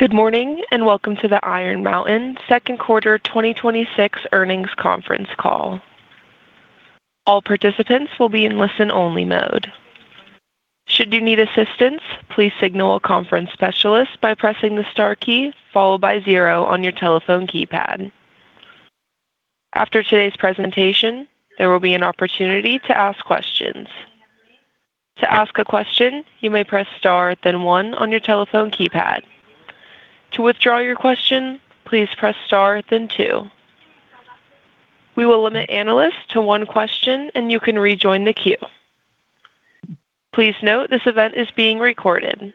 Good morning, welcome to the Iron Mountain second quarter 2026 earnings conference call. All participants will be in listen-only mode. Should you need assistance, please signal a conference specialist by pressing the star key, followed by zero on your telephone keypad. After today's presentation, there will be an opportunity to ask questions. To ask a question, you may press star, then one on your telephone keypad. To withdraw your question, please press star, then two. We will limit analysts to one question, and you can rejoin the queue. Please note this event is being recorded.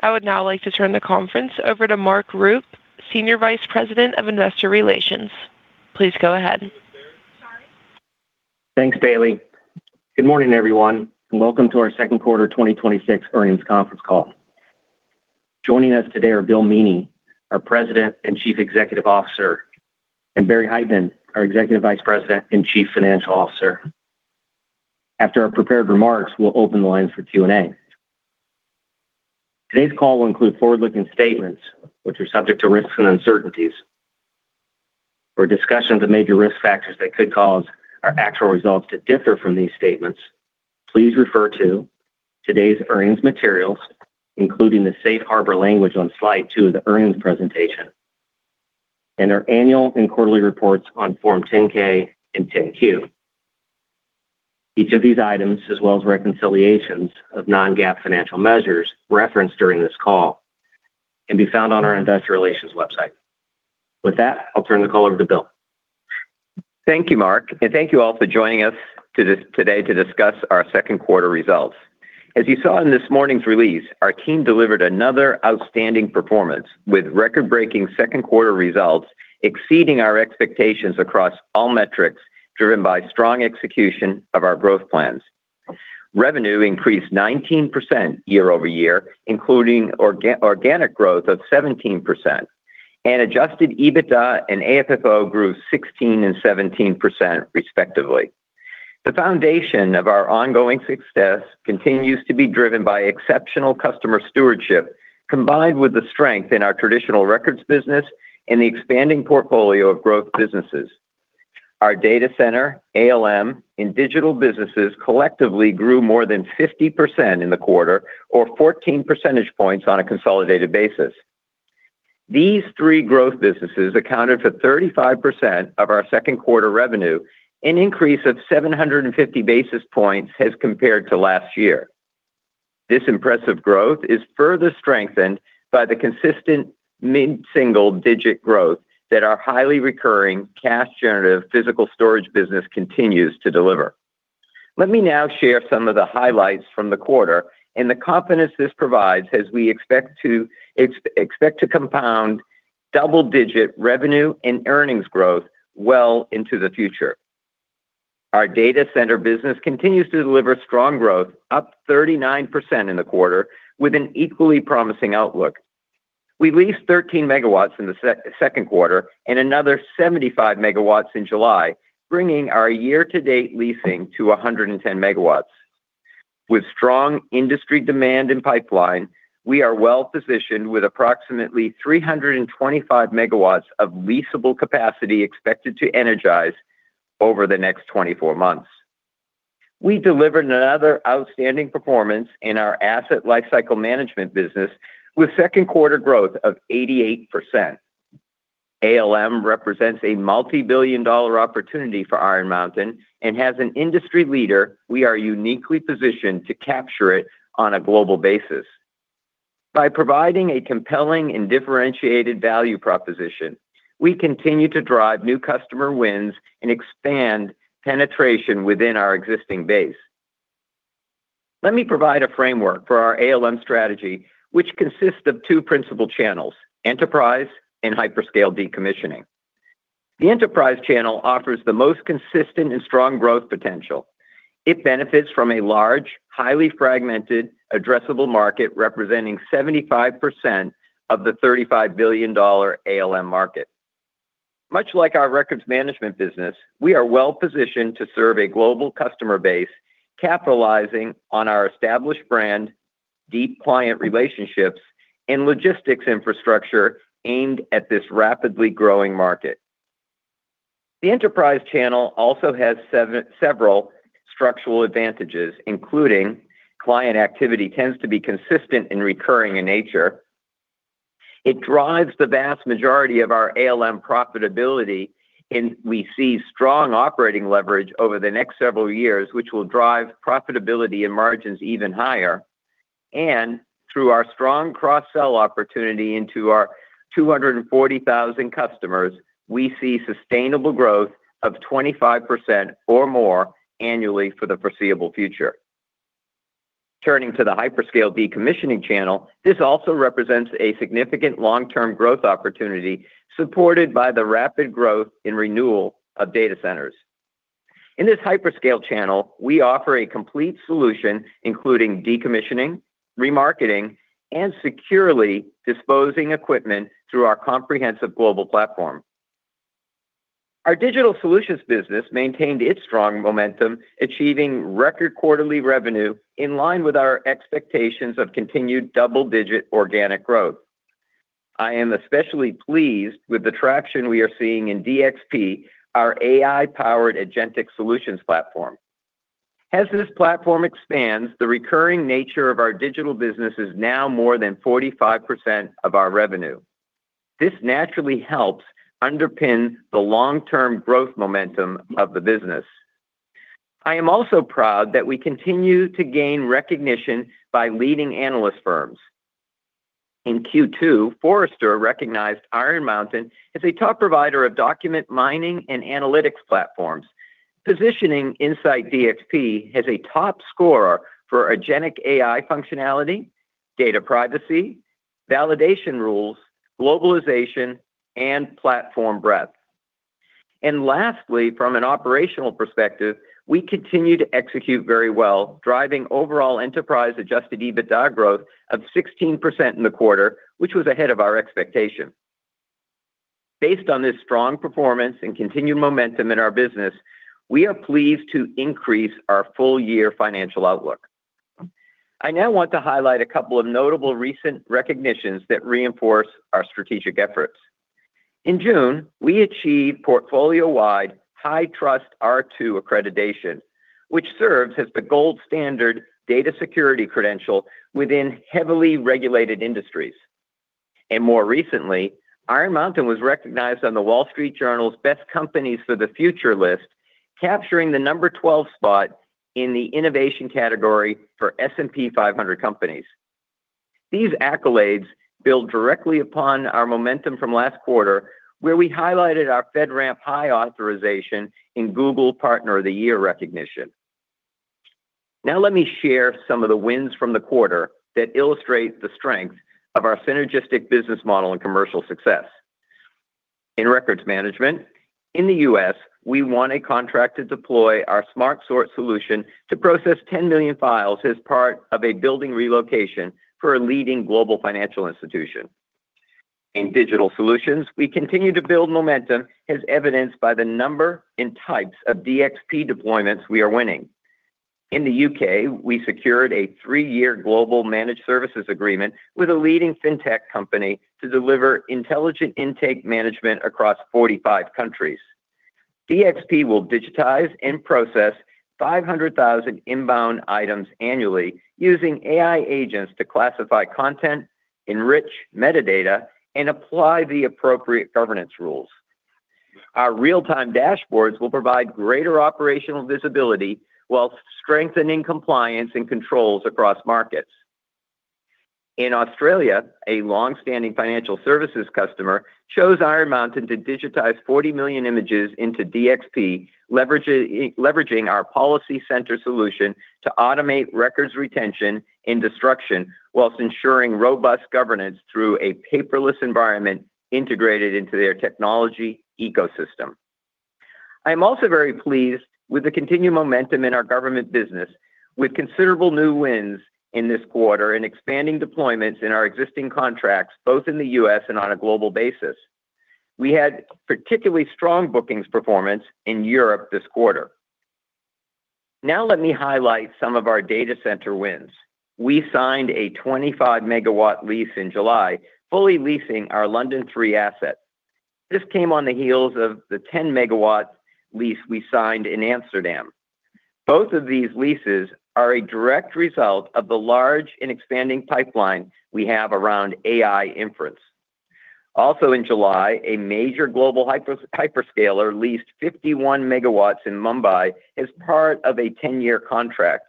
I would now like to turn the conference over to Mark Rupe, Senior Vice President of Investor Relations. Please go ahead. Thanks, Bailey. Good morning, everyone, welcome to our second quarter 2026 earnings conference call. Joining us today are Will Meaney, our President and Chief Executive Officer, and Barry Hytinen, our Executive Vice President and Chief Financial Officer. After our prepared remarks, we'll open the lines for Q&A. Today's call will include forward-looking statements, which are subject to risks and uncertainties. For discussions of major risk factors that could cause our actual results to differ from these statements, please refer to today's earnings materials, including the safe harbor language on slide two of the earnings presentation, and our annual and quarterly reports on Form 10-K and 10-Q. Each of these items, as well as reconciliations of non-GAAP financial measures referenced during this call, can be found on our investor relations website. With that, I'll turn the call over to Will. Thank you, Mark, thank you all for joining us today to discuss our second quarter results. As you saw in this morning's release, our team delivered another outstanding performance with record-breaking second quarter results exceeding our expectations across all metrics, driven by strong execution of our growth plans. Revenue increased 19% year-over-year, including organic growth of 17%, and adjusted EBITDA and AFFO grew 16% and 17%, respectively. The foundation of our ongoing success continues to be driven by exceptional customer stewardship, combined with the strength in our traditional records business and the expanding portfolio of growth businesses. Our data center, ALM, and digital businesses collectively grew more than 50% in the quarter or 14 percentage points on a consolidated basis. These three growth businesses accounted for 35% of our second quarter revenue, an increase of 750 basis points as compared to last year. This impressive growth is further strengthened by the consistent mid-single digit growth that our highly recurring, cash-generative physical storage business continues to deliver. Let me now share some of the highlights from the quarter and the confidence this provides as we expect to compound double-digit revenue and earnings growth well into the future. Our data center business continues to deliver strong growth, up 39% in the quarter, with an equally promising outlook. We leased 13 MW in the second quarter and another 75 megawatts in July, bringing our year-to-date leasing to 110 megawatts. With strong industry demand in pipeline, we are well-positioned with approximately 325 megawatts of leasable capacity expected to energize over the next 24 months. We delivered another outstanding performance in our asset lifecycle management business with second quarter growth of 88%. ALM represents a multi-billion dollar opportunity for Iron Mountain, and as an industry leader, we are uniquely positioned to capture it on a global basis. By providing a compelling and differentiated value proposition, we continue to drive new customer wins and expand penetration within our existing base. Let me provide a framework for our ALM strategy, which consists of two principal channels, enterprise and hyperscale decommissioning. The enterprise channel offers the most consistent and strong growth potential. It benefits from a large, highly fragmented addressable market representing 75% of the $35 billion ALM market. Much like our records management business, we are well-positioned to serve a global customer base capitalizing on our established brand, deep client relationships, and logistics infrastructure aimed at this rapidly growing market. The enterprise channel also has several structural advantages, including client activity tends to be consistent and recurring in nature. We see strong operating leverage over the next several years, which will drive profitability and margins even higher. Through our strong cross-sell opportunity into our 240,000 customers, we see sustainable growth of 25% or more annually for the foreseeable future. Turning to the hyperscale decommissioning channel, this also represents a significant long-term growth opportunity supported by the rapid growth in renewal of data centers. In this hyperscale channel, we offer a complete solution, including decommissioning, remarketing, and securely disposing equipment through our comprehensive global platform. Our digital solutions business maintained its strong momentum, achieving record quarterly revenue in line with our expectations of continued double-digit organic growth. I am especially pleased with the traction we are seeing in DXP, our AI-powered agentic solutions platform. As this platform expands, the recurring nature of our digital business is now more than 45% of our revenue. This naturally helps underpin the long-term growth momentum of the business. I am also proud that we continue to gain recognition by leading analyst firms. In Q2, Forrester recognized Iron Mountain as a top provider of document mining and analytics platforms, positioning InSight DXP as a top scorer for agentic AI functionality, data privacy, validation rules, globalization, and platform breadth. Lastly, from an operational perspective, we continue to execute very well, driving overall enterprise-adjusted EBITDA growth of 16% in the quarter, which was ahead of our expectation. Based on this strong performance and continued momentum in our business, we are pleased to increase our full-year financial outlook. I now want to highlight a couple of notable recent recognitions that reinforce our strategic efforts. In June, we achieved portfolio-wide high trust R2 accreditation, which serves as the gold standard data security credential within heavily regulated industries. More recently, Iron Mountain was recognized on The Wall Street Journal's Best Companies for the Future list, capturing the number 12 spot in the innovation category for S&P 500 companies. These accolades build directly upon our momentum from last quarter, where we highlighted our FedRAMP High authorization in Google Partner of the Year recognition. Let me share some of the wins from the quarter that illustrate the strength of our synergistic business model and commercial success. In records management, in the U.S., we won a contract to deploy our Smart Sort solution to process 10 million files as part of a building relocation for a leading global financial institution. In digital solutions, we continue to build momentum as evidenced by the number and types of DXP deployments we are winning. In the U.K., we secured a three-year global managed services agreement with a leading fintech company to deliver intelligent intake management across 45 countries. DXP will digitize and process 500,000 inbound items annually using AI agents to classify content, enrich metadata, and apply the appropriate governance rules. Our real-time dashboards will provide greater operational visibility whilst strengthening compliance and controls across markets. In Australia, a long-standing financial services customer chose Iron Mountain to digitize 40 million images into DXP, leveraging our policy center solution to automate records retention and destruction whilst ensuring robust governance through a paperless environment integrated into their technology ecosystem. I'm also very pleased with the continued momentum in our government business with considerable new wins in this quarter and expanding deployments in our existing contracts, both in the U.S. and on a global basis. We had particularly strong bookings performance in Europe this quarter. Let me highlight some of our data center wins. We signed a 25-MW lease in July, fully leasing our London three asset. This came on the heels of the 10-MW lease we signed in Amsterdam. Both of these leases are a direct result of the large and expanding pipeline we have around AI inference. Also in July, a major global hyperscaler leased 51 MW in Mumbai as part of a 10-year contract.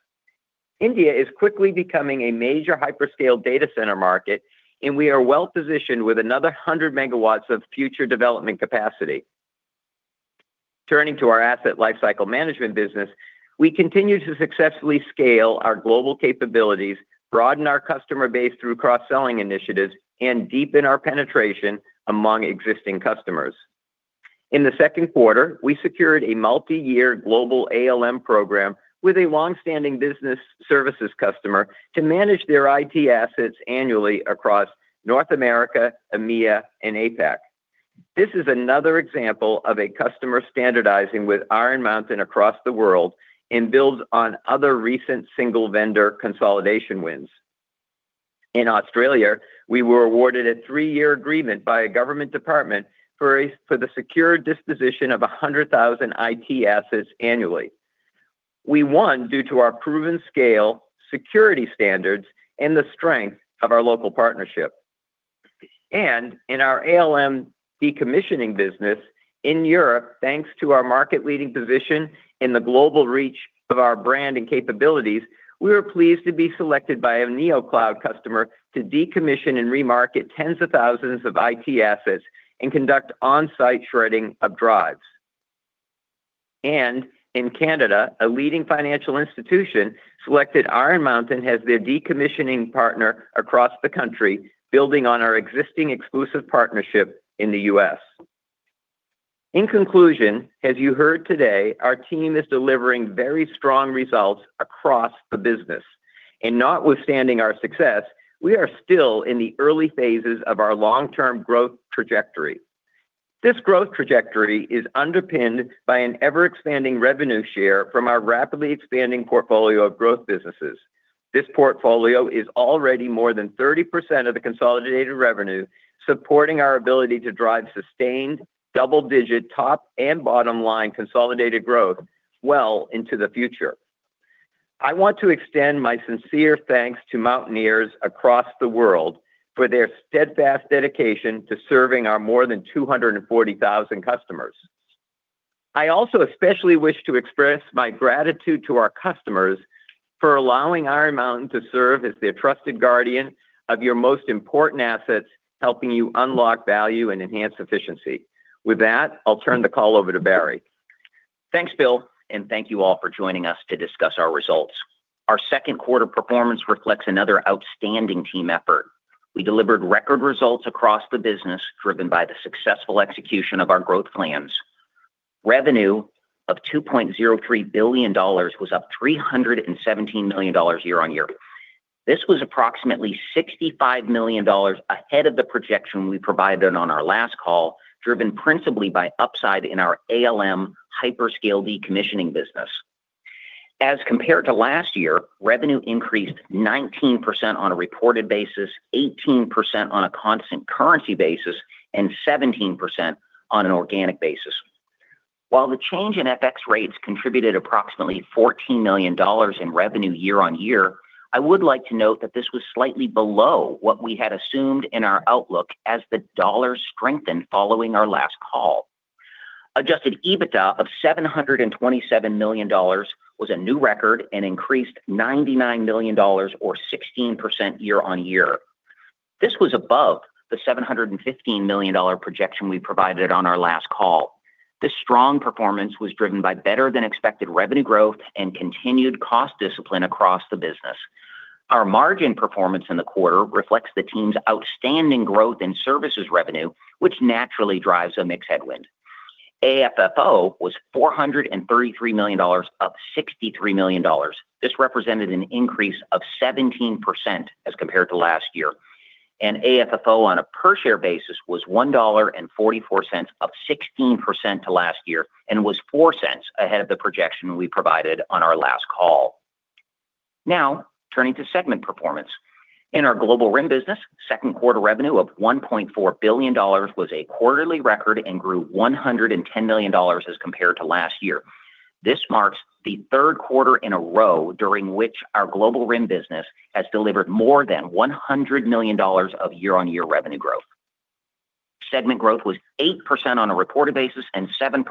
India is quickly becoming a major hyperscale data center market, and we are well-positioned with another 100 megawatts of future development capacity. Turning to our Asset Lifecycle Management business, we continue to successfully scale our global capabilities, broaden our customer base through cross-selling initiatives, and deepen our penetration among existing customers. In the second quarter, we secured a multi-year global ALM program with a long-standing business services customer to manage their IT assets annually across North America, EMEA, and APAC. This is another example of a customer standardizing with Iron Mountain across the world and builds on other recent single-vendor consolidation wins. In Australia, we were awarded a 3-year agreement by a government department for the secure disposition of 100,000 IT assets annually. We won due to our proven scale, security standards, and the strength of our local partnership. In our ALM decommissioning business in Europe, thanks to our market-leading position and the global reach of our brand and capabilities, we are pleased to be selected by a neocloud customer to decommission and remarket tens of thousands of IT assets and conduct on-site shredding of drives. In Canada, a leading financial institution selected Iron Mountain as their decommissioning partner across the country, building on our existing exclusive partnership in the U.S. In conclusion, as you heard today, our team is delivering very strong results across the business. Notwithstanding our success, we are still in the early phases of our long-term growth trajectory. This growth trajectory is underpinned by an ever-expanding revenue share from our rapidly expanding portfolio of growth businesses. This portfolio is already more than 30% of the consolidated revenue, supporting our ability to drive sustained double-digit top and bottom-line consolidated growth well into the future. I want to extend my sincere thanks to Mountaineers across the world for their steadfast dedication to serving our more than 240,000 customers. I also especially wish to express my gratitude to our customers for allowing Iron Mountain to serve as the trusted guardian of your most important assets, helping you unlock value and enhance efficiency. With that, I'll turn the call over to Barry. Thanks, Will, thank you all for joining us to discuss our results. Our second quarter performance reflects another outstanding team effort. We delivered record results across the business, driven by the successful execution of our growth plans. Revenue of $2.03 billion was up $317 million year-on-year. This was approximately $65 million ahead of the projection we provided on our last call, driven principally by upside in our ALM hyperscale decommissioning business. As compared to last year, revenue increased 19% on a reported basis, 18% on a constant currency basis, 17% on an organic basis. While the change in FX rates contributed approximately $14 million in revenue year-on-year, I would like to note that this was slightly below what we had assumed in our outlook as the dollar strengthened following our last call. Adjusted EBITDA of $727 million was a new record and increased $99 million or 16% year-on-year. This was above the $715 million projection we provided on our last call. This strong performance was driven by better than expected revenue growth and continued cost discipline across the business. Our margin performance in the quarter reflects the team's outstanding growth in services revenue, which naturally drives a mixed headwind. AFFO was $433 million, up $63 million. This represented an increase of 17% as compared to last year, AFFO on a per-share basis was $1.44 up 16% to last year and was $0.04 ahead of the projection we provided on our last call. Turning to segment performance. In our Global RIM business, second quarter revenue of $1.4 billion was a quarterly record, grew $110 million as compared to last year. This marks the third quarter in a row during which our Global RIM business has delivered more than $100 million of year-on-year revenue growth. Segment growth was 8% on a reported basis 7%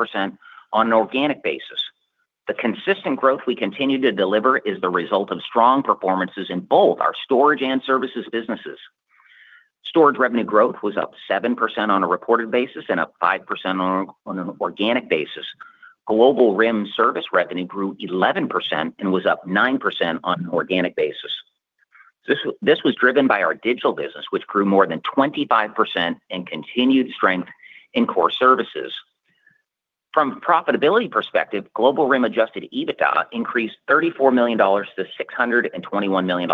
on an organic basis. The consistent growth we continue to deliver is the result of strong performances in both our storage and services businesses. Storage revenue growth was up 7% on a reported basis up 5% on an organic basis. Global RIM service revenue grew 11% was up 9% on an organic basis. This was driven by our digital business, which grew more than 25% continued strength in core services. From a profitability perspective, Global RIM adjusted EBITDA increased $34 million to $621 million.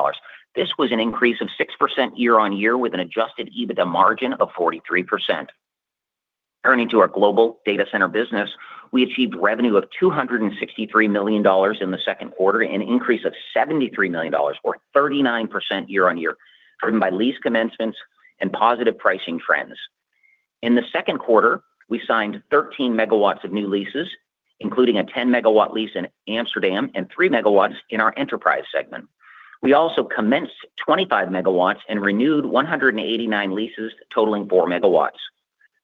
This was an increase of 6% year-on-year with an adjusted EBITDA margin of 43%. Turning to our Global Data Center business, we achieved revenue of $263 million in the second quarter, an increase of $73 million or 39% year-on-year, driven by lease commencements and positive pricing trends. In the second quarter, we signed 13 megawatts of new leases, including a 10-megawatt lease in Amsterdam and three megawatts in our enterprise segment. We also commenced 25 megawatts and renewed 189 leases totaling 4 megawatts.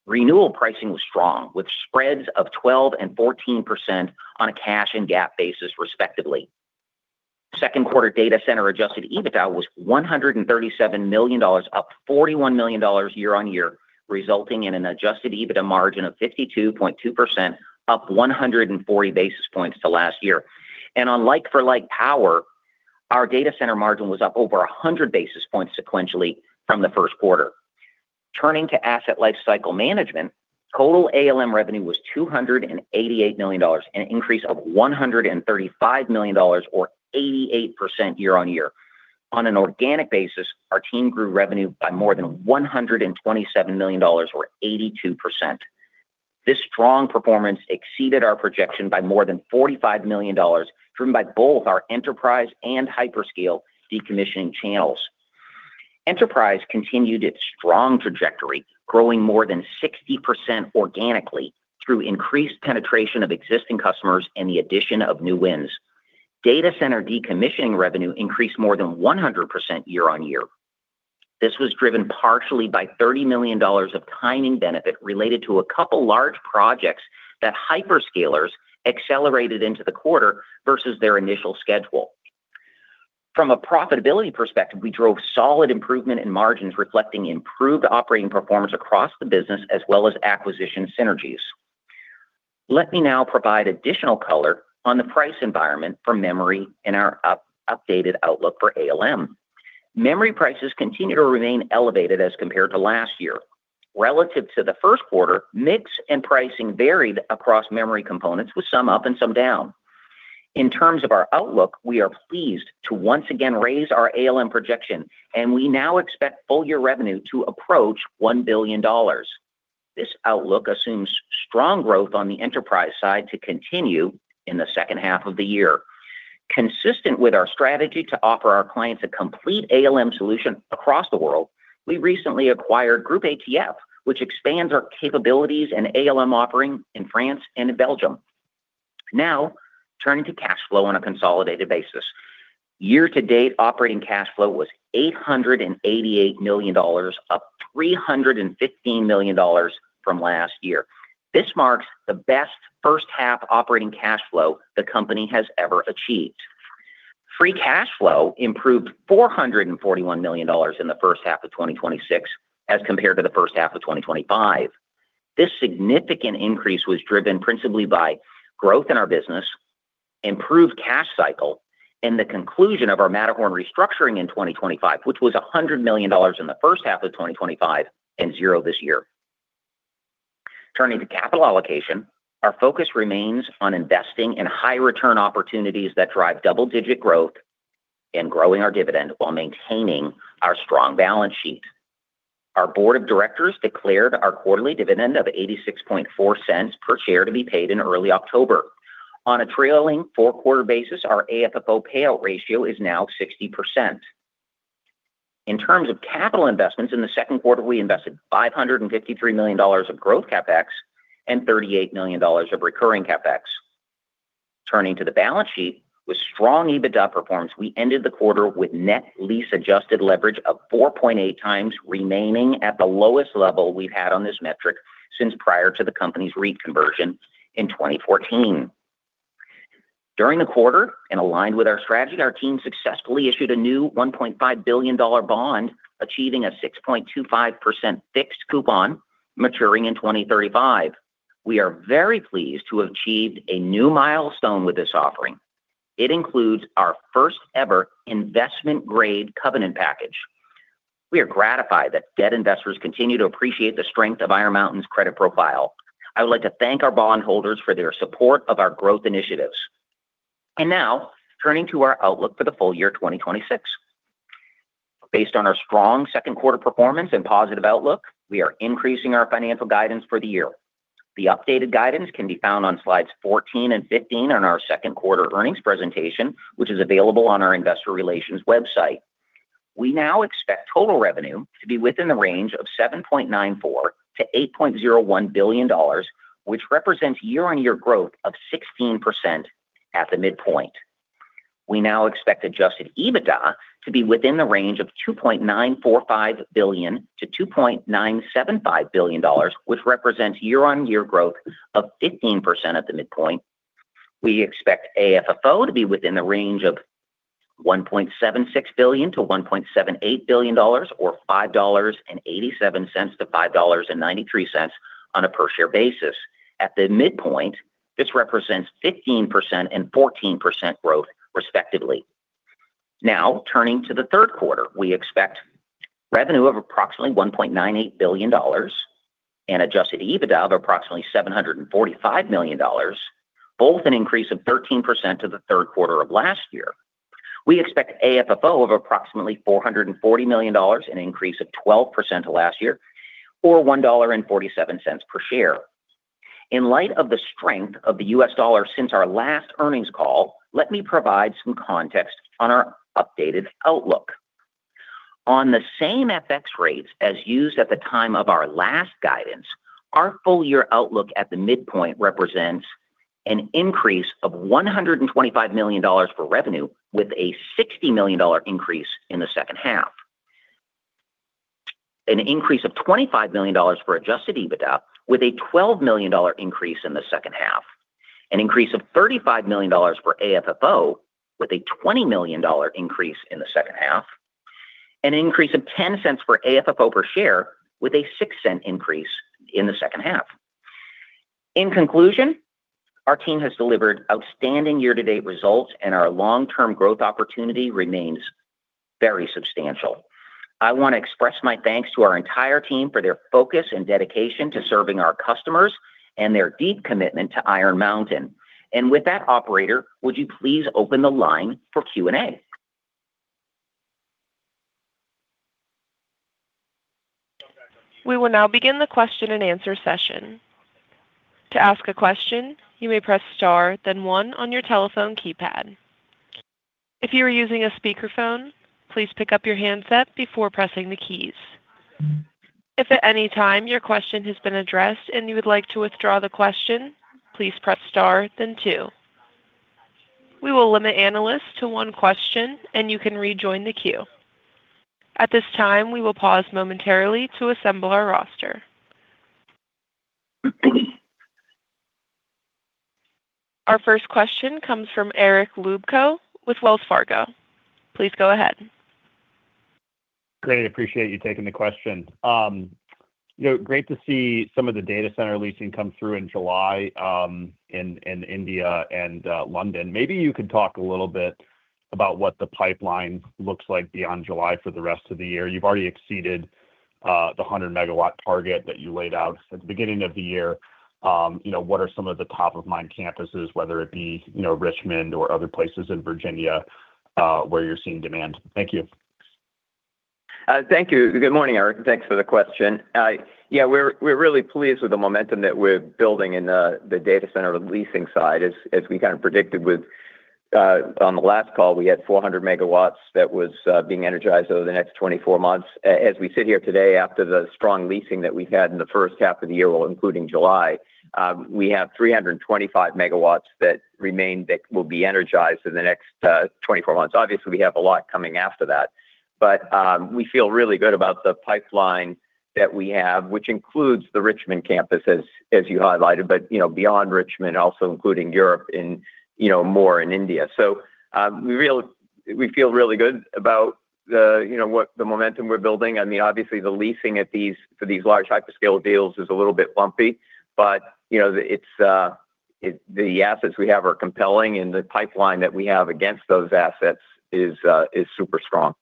Renewal pricing was strong, with spreads of 12% and 14% on a cash and GAAP basis, respectively. Second quarter data center adjusted EBITDA was $137 million, up $41 million year-on-year, resulting in an adjusted EBITDA margin of 52.2%, up 140 basis points to last year. On like-for-like power, our data center margin was up over 100 basis points sequentially from the first quarter. Turning to Asset Lifecycle Management, total ALM revenue was $288 million, an increase of $135 million or 88% year-on-year. On an organic basis, our team grew revenue by more than $127 million or 82%. This strong performance exceeded our projection by more than $45 million, driven by both our enterprise and hyperscale decommissioning channels. Enterprise continued its strong trajectory, growing more than 60% organically through increased penetration of existing customers and the addition of new wins. Data center decommissioning revenue increased more than 100% year-on-year. This was driven partially by $30 million of timing benefit related to a couple large projects that hyperscalers accelerated into the quarter versus their initial schedule. From a profitability perspective, we drove solid improvement in margins reflecting improved operating performance across the business as well as acquisition synergies. Let me now provide additional color on the price environment for memory and our updated outlook for ALM. Memory prices continue to remain elevated as compared to last year. Relative to the first quarter, mix and pricing varied across memory components with some up and some down. In terms of our outlook, we are pleased to once again raise our ALM projection. We now expect full-year revenue to approach $1 billion. This outlook assumes strong growth on the enterprise side to continue in the second half of the year. Consistent with our strategy to offer our clients a complete ALM solution across the world, we recently acquired Group ATF, which expands our capabilities and ALM offering in France and Belgium. Turning to cash flow on a consolidated basis. Year-to-date operating cash flow was $888 million, up $315 million from last year. This marks the best first-half operating cash flow the company has ever achieved. Free cash flow improved $441 million in the first half of 2026 as compared to the first half of 2025. This significant increase was driven principally by growth in our business, improved cash cycle, and the conclusion of our Matterhorn restructuring in 2025, which was $100 million in the first half of 2025 and zero this year. Turning to capital allocation, our focus remains on investing in high-return opportunities that drive double-digit growth and growing our dividend while maintaining our strong balance sheet. Our board of directors declared our quarterly dividend of $0.864 per share to be paid in early October. On a trailing four-quarter basis, our AFFO payout ratio is now 60%. In terms of capital investments, in the second quarter, we invested $553 million of growth CapEx and $38 million of recurring CapEx. Turning to the balance sheet. With strong EBITDA performance, we ended the quarter with net lease adjusted leverage of 4.8x, remaining at the lowest level we've had on this metric since prior to the company's REIT conversion in 2014. During the quarter, aligned with our strategy, our team successfully issued a new $1.5 billion bond, achieving a 6.25% fixed coupon maturing in 2035. We are very pleased to have achieved a new milestone with this offering. It includes our first ever investment-grade covenant package. We are gratified that debt investors continue to appreciate the strength of Iron Mountain's credit profile. I would like to thank our bondholders for their support of our growth initiatives. Now turning to our outlook for the full year 2026. Based on our strong second quarter performance and positive outlook, we are increasing our financial guidance for the year. The updated guidance can be found on slides 14 and 15 on our second quarter earnings presentation, which is available on our investor relations website. We now expect total revenue to be within the range of $7.94 billion-$8.01 billion, which represents year-on-year growth of 16% at the midpoint. We now expect adjusted EBITDA to be within the range of $2.945 billion-$2.975 billion, which represents year-on-year growth of 15% at the midpoint. We expect AFFO to be within the range of $1.76 billion-$1.78 billion, or $5.87-$5.93 on a per share basis. At the midpoint, this represents 15% and 14% growth respectively. Now, turning to the third quarter. We expect revenue of approximately $1.98 billion and adjusted EBITDA of approximately $745 million, both an increase of 13% to the third quarter of last year. We expect AFFO of approximately $440 million, an increase of 12% to last year, or $1.47 per share. In light of the strength of the U.S. dollar since our last earnings call, let me provide some context on our updated outlook. On the same FX rates as used at the time of our last guidance, our full-year outlook at the midpoint represents an increase of $125 million for revenue, with a $60 million increase in the second half, an increase of $25 million for adjusted EBITDA, with a $12 million increase in the second half, an increase of $35 million for AFFO, with a $20 million increase in the second half, an increase of $0.10 for AFFO per share, with a $0.06 increase in the second half. In conclusion, our team has delivered outstanding year-to-date results and our long-term growth opportunity remains very substantial. I want to express my thanks to our entire team for their focus and dedication to serving our customers and their deep commitment to Iron Mountain. With that, operator, would you please open the line for Q&A? We will now begin the question and answer session. To ask a question, you may press star, then one on your telephone keypad. If you are using a speakerphone, please pick up your handset before pressing the keys. If at any time your question has been addressed and you would like to withdraw the question, please press star then two. We will limit analysts to one question and you can rejoin the queue. At this time, we will pause momentarily to assemble our roster. Our first question comes from Eric Luebchow with Wells Fargo. Please go ahead. Great. Appreciate you taking the question. Great to see some of the data center leasing come through in July in India and London. Maybe you could talk a little bit About what the pipeline looks like beyond July for the rest of the year. You've already exceeded the 100-megawatt target that you laid out at the beginning of the year. What are some of the top-of-mind campuses, whether it be Richmond or other places in Virginia, where you're seeing demand? Thank you. Thank you. Good morning, Eric. Thanks for the question. Yeah, we're really pleased with the momentum that we're building in the data center leasing side. As we kind of predicted on the last call, we had 400 megawatts that was being energized over the next 24 months. As we sit here today after the strong leasing that we've had in the first half of the year, well, including July, we have 325 MW that remain that will be energized in the next 24 months. Obviously, we have a lot coming after that. We feel really good about the pipeline that we have, which includes the Richmond campus as you highlighted, but beyond Richmond, also including Europe and more in India. We feel really good about the momentum we're building. Obviously the leasing for these large hyperscale deals is a little bit bumpy, but the assets we have are compelling, and the pipeline that we have against those assets is super strong.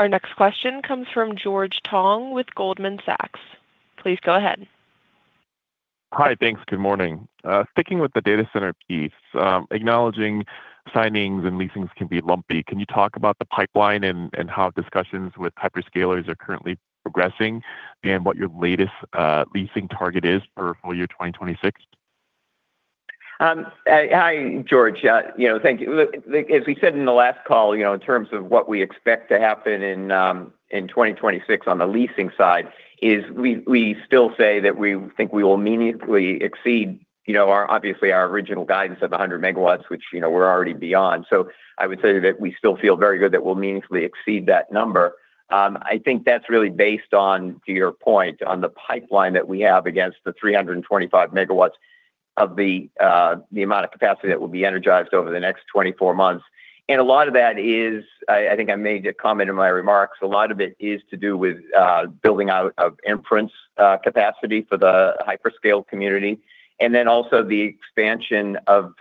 Our next question comes from George Tong with Goldman Sachs. Please go ahead. Hi. Thanks. Good morning. Sticking with the data center piece, acknowledging signings and leasings can be lumpy, can you talk about the pipeline and how discussions with hyperscalers are currently progressing and what your latest leasing target is for full year 2026? Hi, George. Thank you. As we said in the last call, in terms of what we expect to happen in 2026 on the leasing side, is we still say that we think we will meaningfully exceed obviously our original guidance of 100 MW, which we're already beyond. I would say that we still feel very good that we'll meaningfully exceed that number. I think that's really based on, to your point, on the pipeline that we have against the 325 MW of the amount of capacity that will be energized over the next 24 months. A lot of that is, I think I made a comment in my remarks, a lot of it is to do with building out of inference capacity for the hyperscale community. Then also the expansion of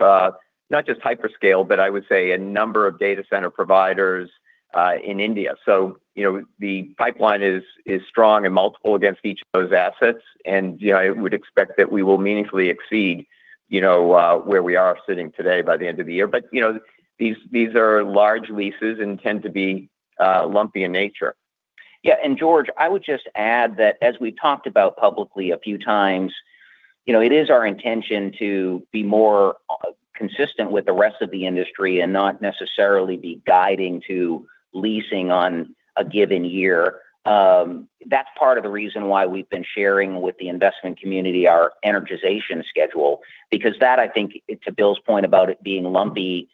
not just hyperscale, but I would say a number of data center providers in India. The pipeline is strong and multiple against each of those assets. I would expect that we will meaningfully exceed where we are sitting today by the end of the year. These are large leases and tend to be lumpy in nature. George, I would just add that as we talked about publicly a few times, it is our intention to be more consistent with the rest of the industry and not necessarily be guiding to leasing on a given year. That's part of the reason why we've been sharing with the investment community our energization schedule. Because that, I think, to Will's point about it being lumpy,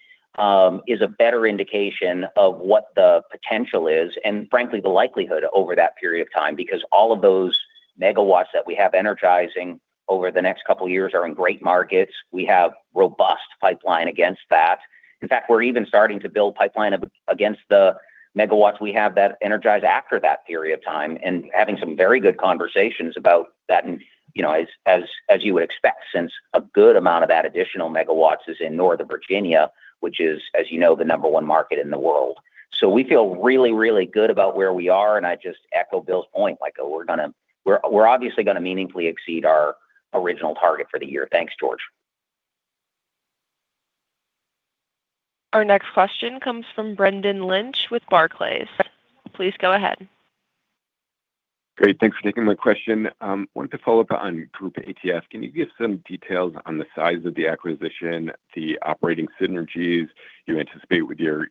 is a better indication of what the potential is, and frankly, the likelihood over that period of time. Because all of those megawatts that we have energizing over the next couple of years are in great markets. We have robust pipeline against that. In fact, we're even starting to build pipeline against the megawatts we have that energize after that period of time, and having some very good conversations about that. As you would expect, since a good amount of that additional megawatts is in Northern Virginia, which is, as you know, the number one market in the world. We feel really, really good about where we are, and I just echo Will's point, we're obviously going to meaningfully exceed our original target for the year. Thanks, George. Our next question comes from Brendan Lynch with Barclays. Please go ahead. Great. Thanks for taking my question. Wanted to follow up on Group ATF. Can you give some details on the size of the acquisition, the operating synergies you anticipate with your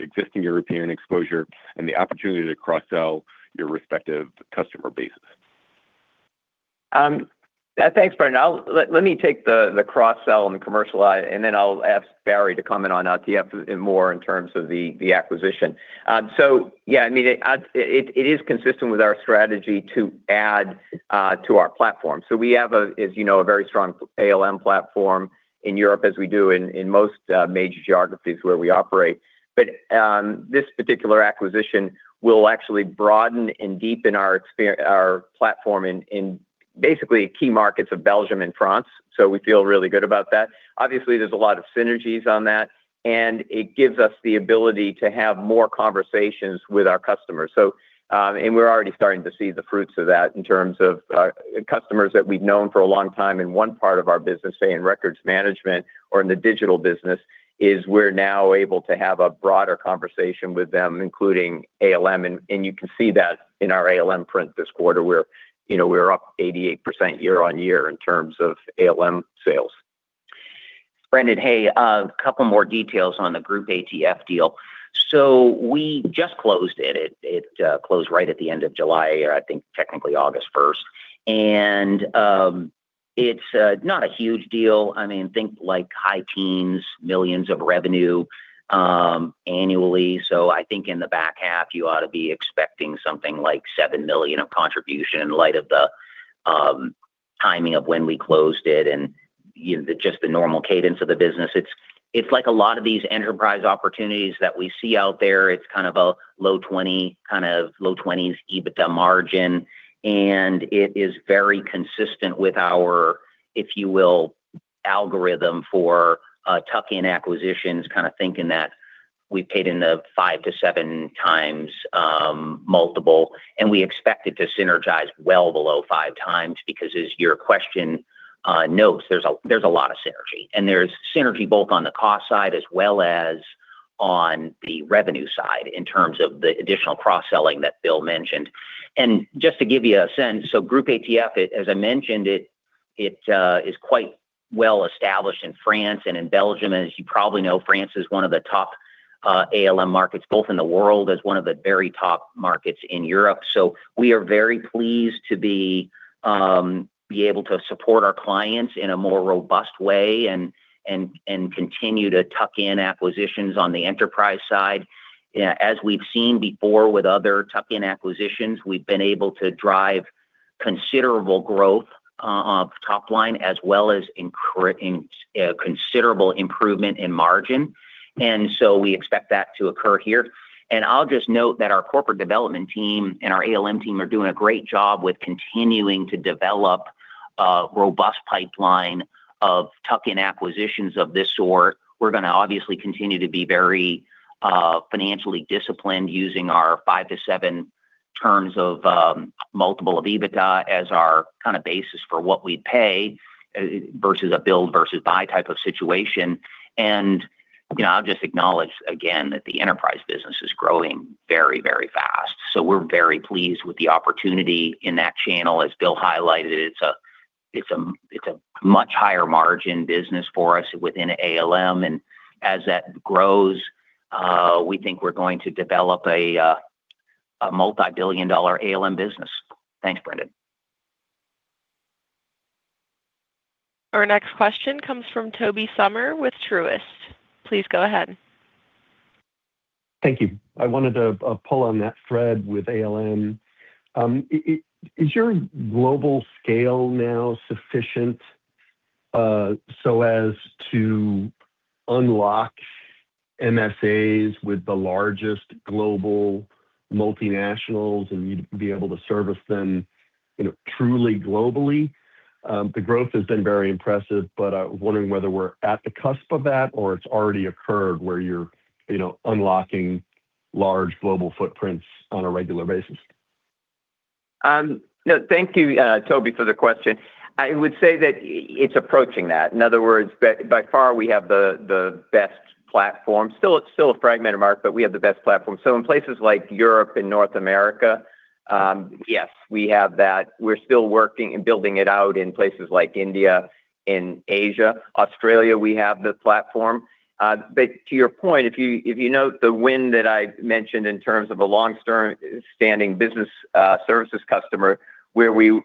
existing European exposure, and the opportunity to cross-sell your respective customer bases? Thanks, Brendan. Let me take the cross-sell and the commercial. I'll ask Barry to comment on ATF more in terms of the acquisition. It is consistent with our strategy to add to our platform. We have, as you know, a very strong ALM platform in Europe as we do in most major geographies where we operate. This particular acquisition will actually broaden and deepen our platform in basically key markets of Belgium and France. We feel really good about that. Obviously, there's a lot of synergies on that, and it gives us the ability to have more conversations with our customers. We're already starting to see the fruits of that in terms of customers that we've known for a long time in one part of our business, say in records management or in the digital business, is we're now able to have a broader conversation with them, including ALM. You can see that in our ALM print this quarter, we're up 88% year-over-year in terms of ALM sales. Brendan, hey, a couple more details on the Group ATF deal. We just closed it. It closed right at the end of July, or I think technically August 1st. It's not a huge deal. Think like high teens, millions of revenue annually. I think in the back half, you ought to be expecting something like $7 million of contribution in light of the timing of when we closed it and just the normal cadence of the business. It's like a lot of these enterprise opportunities that we see out there, it's kind of a low 20s EBITDA margin. It is very consistent with our, if you will, algorithm for tuck-in acquisitions, kind of thinking that we paid in the five to seven times multiple, and we expect it to synergize well below five times because as your question notes, there's a lot of synergy. There's synergy both on the cost side as well as on the revenue side in terms of the additional cross-selling that Will mentioned. Group ATF, as I mentioned, it is quite well established in France and in Belgium. As you probably know, France is one of the top ALM markets, both in the world, as one of the very top markets in Europe. We are very pleased to be able to support our clients in a more robust way and continue to tuck-in acquisitions on the enterprise side. As we've seen before with other tuck-in acquisitions, we've been able to drive considerable growth of top line as well as considerable improvement in margin. We expect that to occur here. I'll just note that our corporate development team and our ALM team are doing a great job with continuing to develop a robust pipeline of tuck-in acquisitions of this sort. We're going to obviously continue to be very financially disciplined using our five to seven terms of multiple of EBITDA as our kind of basis for what we pay versus a build versus buy type of situation. I'll just acknowledge again that the enterprise business is growing very, very fast. We're very pleased with the opportunity in that channel. As Will highlighted, it's a much higher margin business for us within ALM, and as that grows, we think we're going to develop a multibillion-dollar ALM business. Thanks, Brendan. Our next question comes from Tobey Sommer with Truist. Please go ahead. Thank you. I wanted to pull on that thread with ALM. Is your global scale now sufficient so as to unlock MSAs with the largest global multinationals and you'd be able to service them truly globally? The growth has been very impressive, but I was wondering whether we're at the cusp of that or it's already occurred where you're unlocking large global footprints on a regular basis. Thank you, Tobey, for the question. I would say that it's approaching that. In other words, by far we have the best platform. It's still a fragmented market, but we have the best platform. In places like Europe and North America, yes, we have that. We're still working and building it out in places like India and Asia. Australia, we have the platform. To your point, if you note the win that I mentioned in terms of a long-standing business services customer, where we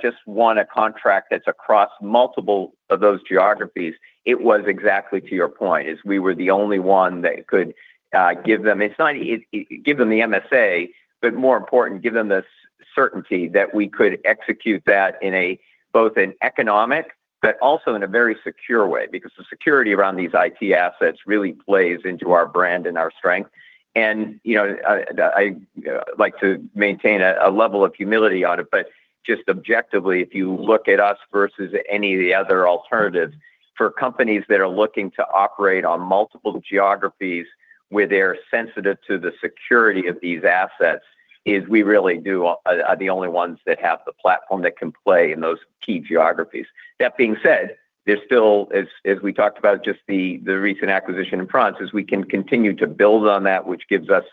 just won a contract that's across multiple of those geographies, it was exactly to your point, is we were the only one that could give them, it's not give them the MSA, but more important, give them the certainty that we could execute that in a both an economic but also in a very secure way, because the security around these IT assets really plays into our brand and our strength. I like to maintain a level of humility on it, but just objectively, if you look at us versus any of the other alternatives for companies that are looking to operate on multiple geographies where they're sensitive to the security of these assets, is we really are the only ones that have the platform that can play in those key geographies. That being said, there's still, as we talked about, just the recent acquisition in France, is we can continue to build on that, which gives us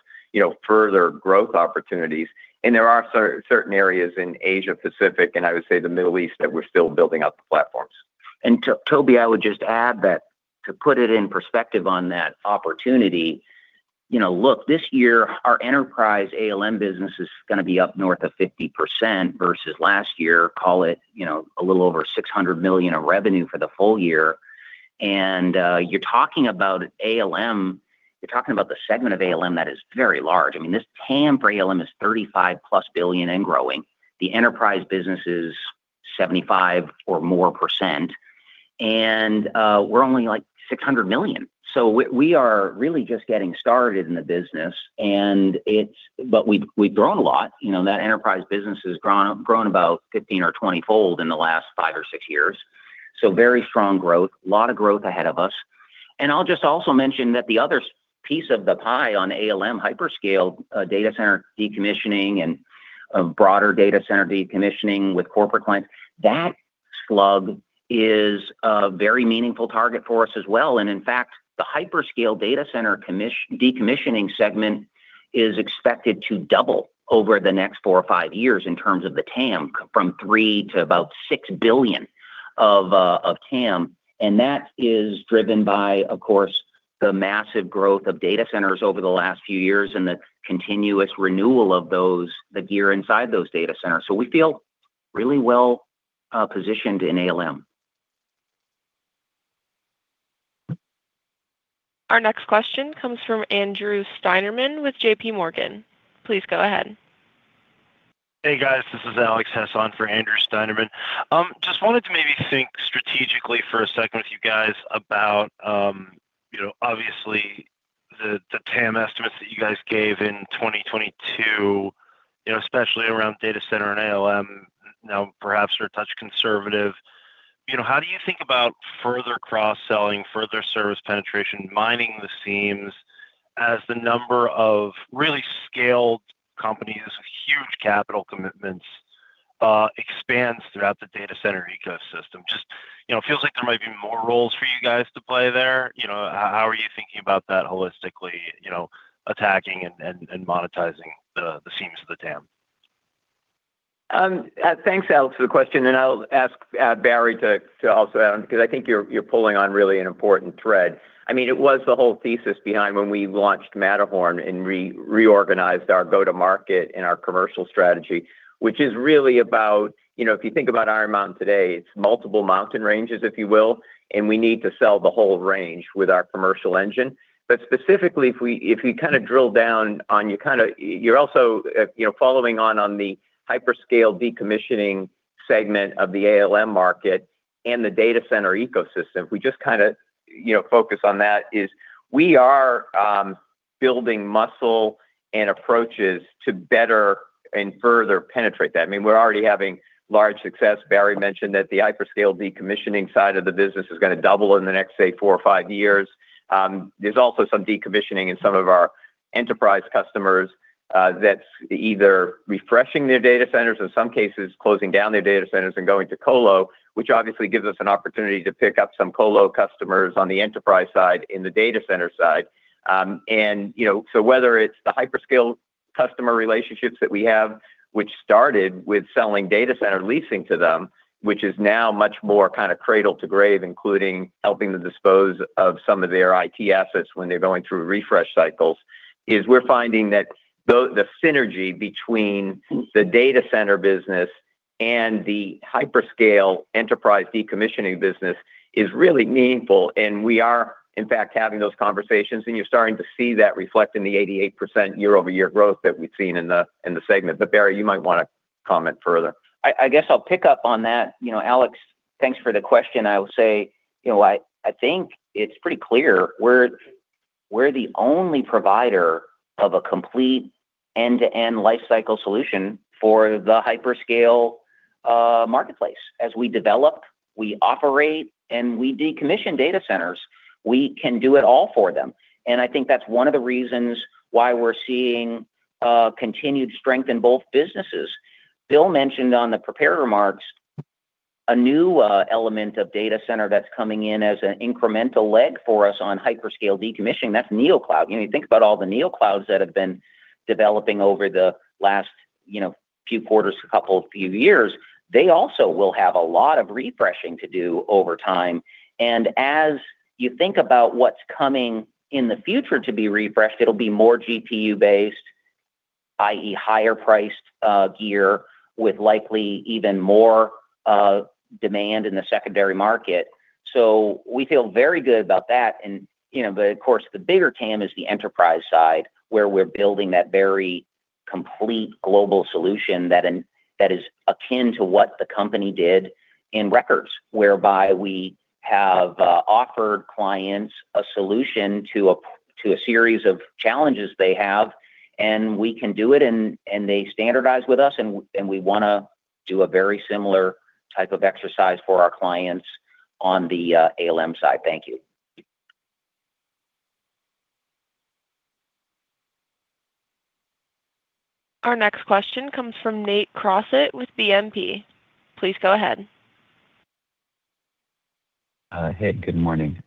further growth opportunities. There are certain areas in Asia Pacific, and I would say the Middle East, that we're still building out the platforms. Tobey, I would just add that to put it in perspective on that opportunity, look, this year our enterprise ALM business is going to be up north of 50% versus last year, call it a little over $600 million of revenue for the full year. You're talking about ALM, you're talking about the segment of ALM that is very large. I mean, this TAM for ALM is $35 plus billion and growing. The enterprise business is 75% or more, and we're only like $600 million. We are really just getting started in the business, but we've grown a lot. That enterprise business has grown about 15 or 20-fold in the last five or six years. Very strong growth, lot of growth ahead of us. I'll just also mention that the other piece of the pie on ALM hyperscale data center decommissioning and broader data center decommissioning with corporate clients, that slug is a very meaningful target for us as well. In fact, the hyperscale data center decommissioning segment is expected to double over the next four or five years in terms of the TAM from $3 billion to about $6 billion of TAM. That is driven by, of course, the massive growth of data centers over the last few years and the continuous renewal of those, the gear inside those data centers. We feel really well positioned in ALM. Our next question comes from Andrew Steinerman with JPMorgan. Please go ahead. Hey guys, this is Alex Hassan for Andrew Steinerman. Wanted to maybe think strategically for a second with you guys about, obviously the TAM estimates that you guys gave in 2022, especially around data center and ALM, now perhaps are a touch conservative. How do you think about further cross-selling, further service penetration, mining the seams, as the number of really scaled companies with huge capital commitments expands throughout the data center ecosystem? It feels like there might be more roles for you guys to play there. How are you thinking about that holistically, attacking and monetizing the seams of the TAM? Thanks, Alex, for the question. I'll ask Barry to also add on, because I think you're pulling on really an important thread. It was the whole thesis behind when we launched Matterhorn and reorganized our go-to-market and our commercial strategy. It is really about, if you think about Iron Mountain today, it's multiple mountain ranges, if you will, and we need to sell the whole range with our commercial engine. Specifically, if you drill down on, you're also following on the hyperscale decommissioning segment of the ALM market and the data center ecosystem. We are building muscle and approaches to better and further penetrate that. We're already having large success. Barry mentioned that the hyperscale decommissioning side of the business is going to double in the next, say, four or five years. There's also some decommissioning in some of our enterprise customers that's either refreshing their data centers or in some cases closing down their data centers and going to colo, which obviously gives us an opportunity to pick up some colo customers on the enterprise side and the data center side. Whether it's the hyperscale customer relationships that we have, which started with selling data center leasing to them, which is now much more cradle to grave, including helping to dispose of some of their IT assets when they're going through refresh cycles, we're finding that the synergy between the data center business and the hyperscale enterprise decommissioning business is really meaningful. We are, in fact, having those conversations, and you're starting to see that reflect in the 88% year-over-year growth that we've seen in the segment. Barry, you might want to comment further. I guess I'll pick up on that. Alex, thanks for the question. I will say, I think it's pretty clear we're the only provider of a complete end-to-end life cycle solution for the hyperscale marketplace. As we develop, we operate, and we decommission data centers. We can do it all for them. I think that's one of the reasons why we're seeing continued strength in both businesses. Bill mentioned on the prepared remarks, a new element of data center that's coming in as an incremental leg for us on hyperscale decommissioning, that's neocloud. Think about all the neoclouds that have been developing over the last few quarters, couple of few years, they also will have a lot of refreshing to do over time. As you think about what's coming in the future to be refreshed, it'll be more GPU-based, i.e., higher-priced gear with likely even more demand in the secondary market. We feel very good about that. Of course, the bigger TAM is the enterprise side, where we're building that very complete global solution that is akin to what the company did in records, whereby we have offered clients a solution to a series of challenges they have, and we can do it, and they standardize with us, and we want to do a very similar type of exercise for our clients on the ALM side. Thank you. Our next question comes from Nate Crossett with BNP Paribas. Please go ahead. Hey, good morning.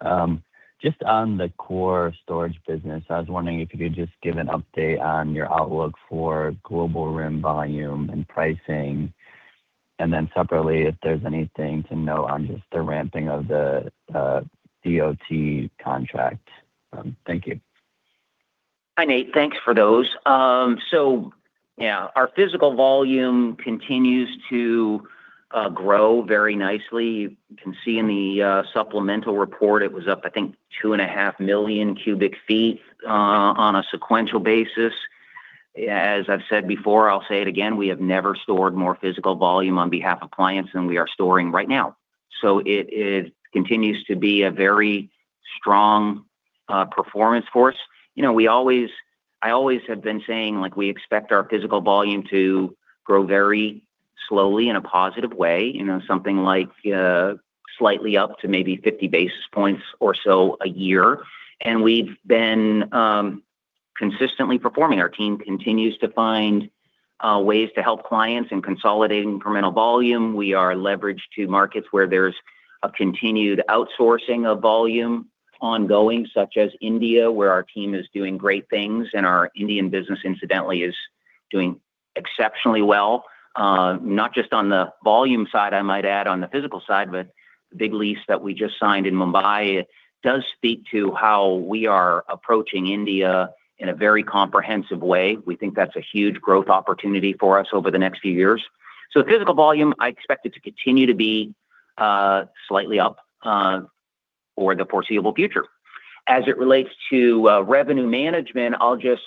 Just on the core storage business, I was wondering if you could just give an update on your outlook for Global RIM volume and pricing, and separately, if there's anything to know on just the ramping of the DOT contract. Thank you. Hi, Nate. Thanks for those. Yeah, our physical volume continues to grow very nicely. You can see in the supplemental report, it was up, I think, 2.5 million cubic feet on a sequential basis. As I've said before, I'll say it again, we have never stored more physical volume on behalf of clients than we are storing right now. It continues to be a very strong performance for us. I always have been saying, we expect our physical volume to grow very slowly in a positive way. Something like slightly up to maybe 50 basis points or so a year. We've been consistently performing. Our team continues to find ways to help clients in consolidating incremental volume. We are leveraged to markets where there's a continued outsourcing of volume ongoing, such as India, where our team is doing great things, our Indian business incidentally, is doing exceptionally well. Not just on the volume side, I might add on the physical side, but the big lease that we just signed in Mumbai does speak to how we are approaching India in a very comprehensive way. We think that's a huge growth opportunity for us over the next few years. Physical volume, I expect it to continue to be slightly up for the foreseeable future. As it relates to revenue management, I'll just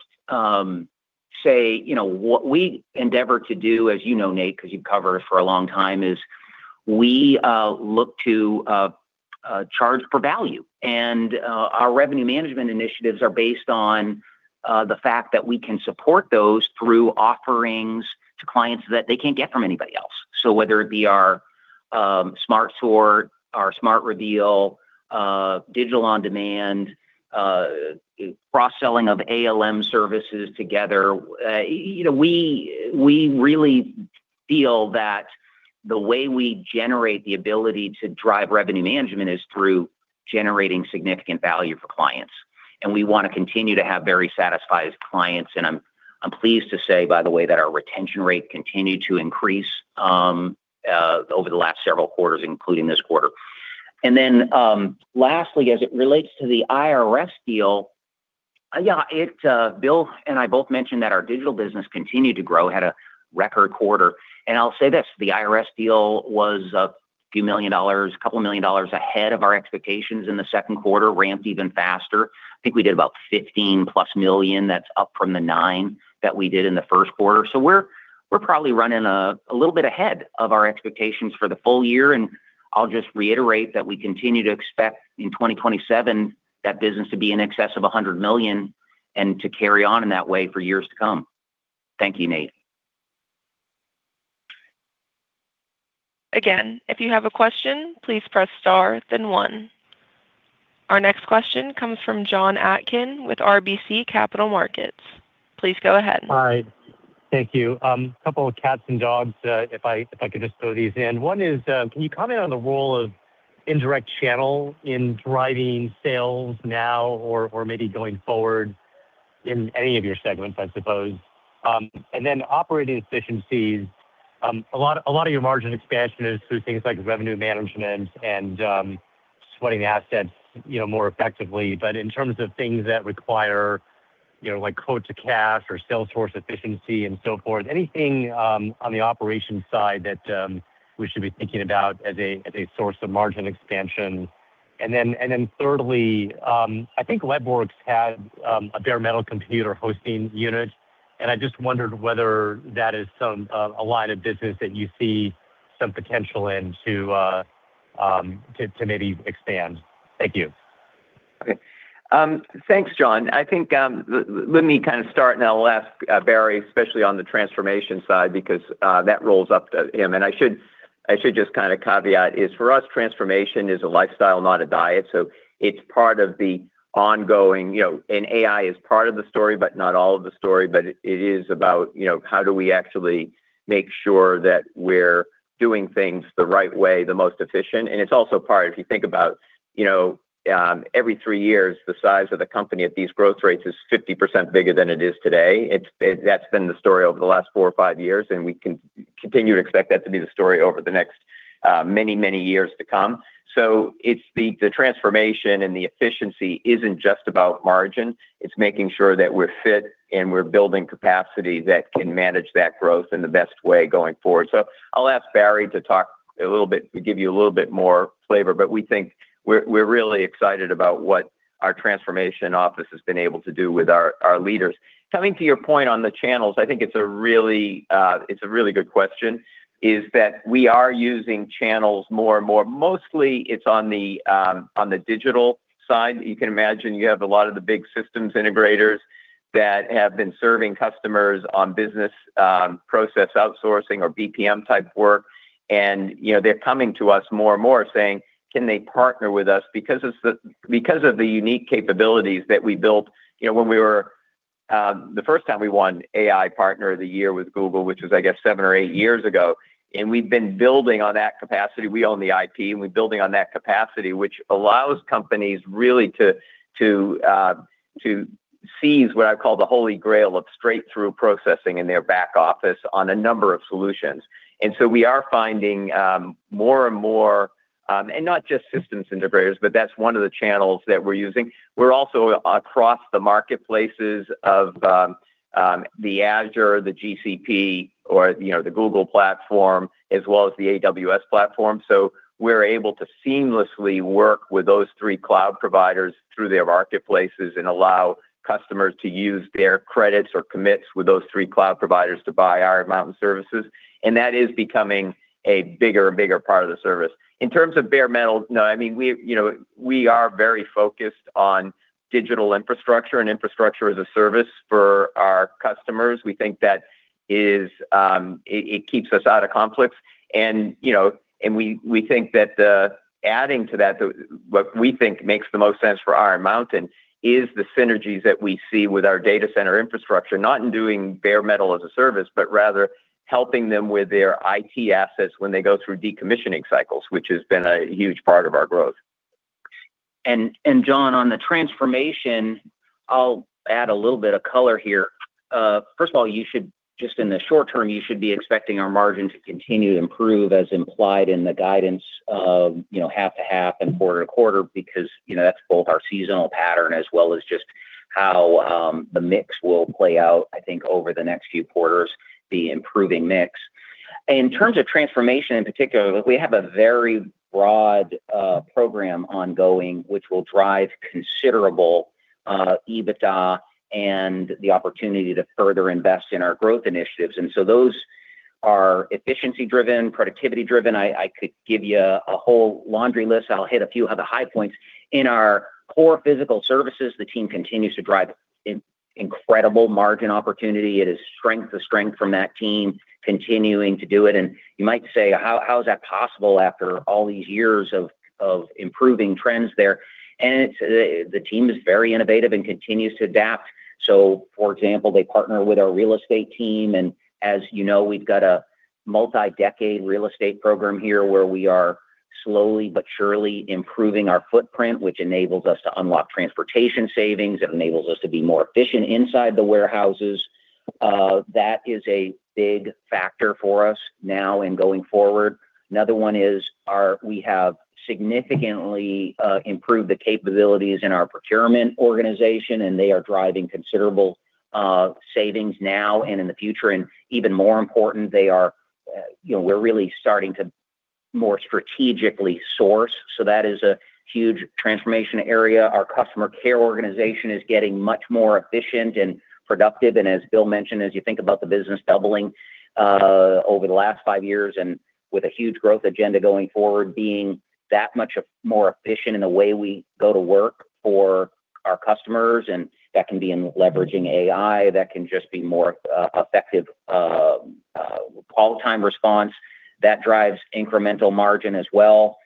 say, what we endeavor to do as you know, Nate, because you've covered us for a long time, is we look to charge for value. Our revenue management initiatives are based on the fact that we can support those through offerings to clients that they can't get from anybody else. Whether it be our SmartSort, our SmartReveal, Digital on-demand, cross-selling of ALM services together, we really feel that the way we generate the ability to drive revenue management is through generating significant value for clients. We want to continue to have very satisfied clients, and I'm pleased to say, by the way, that our retention rate continued to increase over the last several quarters, including this quarter. Lastly, as it relates to the IRS deal, Bill and I both mentioned that our digital business continued to grow, had a record quarter. I'll say this, the IRS deal was a few million dollars, couple million dollars ahead of our expectations in the second quarter, ramped even faster. I think we did about $15+ million. That's up from the nine that we did in the first quarter. We're probably running a little bit ahead of our expectations for the full year, and I'll just reiterate that we continue to expect in 2027, that business to be in excess of $100 million and to carry on in that way for years to come. Thank you, Nate. Again, if you have a question, please press star then one. Our next question comes from Jonathan Atkin with RBC Capital Markets. Please go ahead. Hi. Thank you. Couple of cats and dogs, if I could just throw these in. One is, can you comment on the role of indirect channel in driving sales now or maybe going forward in any of your segments, I suppose? Operating efficiencies. A lot of your margin expansion is through things like revenue management and sweating assets more effectively. In terms of things that require code to cash or sales force efficiency and so forth, anything on the operations side that we should be thinking about as a source of margin expansion? Thirdly, I think Wisetek has a bare metal computer hosting unit, and I just wondered whether that is a line of business that you see some potential in to maybe expand. Thank you. Okay. Thanks, John. Let me kind of start and I'll ask Barry, especially on the transformation side, because that rolls up to him. I should just caveat is for us, transformation is a lifestyle, not a diet. It's part of the ongoing, and AI is part of the story, but not all of the story, but it is about how do we actually make sure that we're doing things the right way, the most efficient. It's also part, if you think about every three years, the size of the company at these growth rates is 50% bigger than it is today. That's been the story over the last four or five years, and we can continue to expect that to be the story over the next many, many years to come. It's the transformation and the efficiency isn't just about margin, it's making sure that we're fit and we're building capacity that can manage that growth in the best way going forward. I'll ask Barry to talk a little bit, to give you a little bit more flavor. We're really excited about what our transformation office has been able to do with our leaders. Coming to your point on the channels, I think it's a really good question, is that we are using channels more and more. Mostly it's on the digital side. You can imagine you have a lot of the big systems integrators that have been serving customers on business process outsourcing or BPM-type work, and they're coming to us more and more saying, can they partner with us? Because of the unique capabilities that we built the first time we won AI Partner of the Year with Google, which was, I guess, seven or eight years ago, we've been building on that capacity. We own the IP, we're building on that capacity, which allows companies really to seize what I call the holy grail of straight-through processing in their back office on a number of solutions. We are finding more and more, not just systems integrators, but that's one of the channels that we're using. We're also across the marketplaces of the Azure, the GCP, or the Google platform, as well as the AWS platform. We're able to seamlessly work with those three cloud providers through their marketplaces and allow customers to use their credits or commits with those three cloud providers to buy Iron Mountain services, that is becoming a bigger and bigger part of the service. In terms of bare metal, we are very focused on digital infrastructure and infrastructure as a service for our customers. We think that it keeps us out of conflicts, we think that adding to that, what we think makes the most sense for Iron Mountain, is the synergies that we see with our data center infrastructure. Not in doing bare metal as a service, but rather helping them with their IT assets when they go through decommissioning cycles, which has been a huge part of our growth. John, on the transformation, I'll add a little bit of color here. First of all, just in the short term, you should be expecting our margin to continue to improve as implied in the guidance of half to half and quarter to quarter, because that's both our seasonal pattern as well as just how the mix will play out, I think over the next few quarters, the improving mix. In terms of transformation in particular, we have a very broad program ongoing, which will drive considerable EBITDA and the opportunity to further invest in our growth initiatives. Those are efficiency-driven, productivity-driven. I could give you a whole laundry list. I'll hit a few of the high points. In our core physical services, the team continues to drive incredible margin opportunity. It is strength to strength from that team continuing to do it. You might say, "How is that possible after all these years of improving trends there?" The team is very innovative and continues to adapt. For example, they partner with our real estate team, as you know, we've got a multi-decade real estate program here where we are slowly but surely improving our footprint, which enables us to unlock transportation savings. It enables us to be more efficient inside the warehouses. That is a big factor for us now and going forward. Another one is we have significantly improved the capabilities in our procurement organization, they are driving considerable savings now and in the future. Even more important, we're really starting to more strategically source. That is a huge transformation area. Our customer care organization is getting much more efficient and productive. As Bill mentioned, as you think about the business doubling over the last five years and with a huge growth agenda going forward, being that much more efficient in the way we go to work for our customers, that can be in leveraging AI, that can just be more effective call time response, that drives incremental margin as well.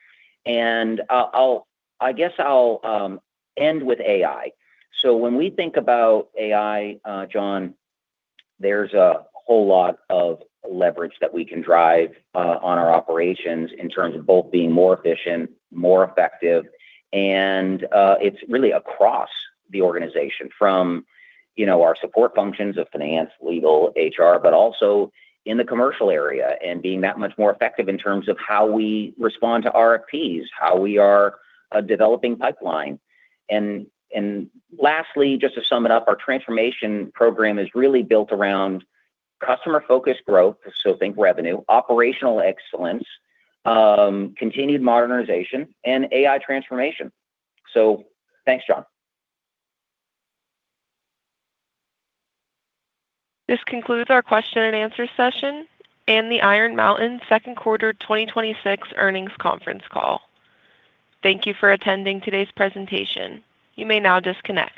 I guess I'll end with AI. When we think about AI, John, there's a whole lot of leverage that we can drive on our operations in terms of both being more efficient, more effective. It's really across the organization from our support functions of finance, legal, HR, but also in the commercial area and being that much more effective in terms of how we respond to RFPs, how we are developing pipeline. Lastly, just to sum it up, our transformation program is really built around customer-focused growth, think revenue, operational excellence, continued modernization, and AI transformation. Thanks, John. This concludes our question and answer session and the Iron Mountain second quarter 2026 earnings conference call. Thank you for attending today's presentation. You may now disconnect.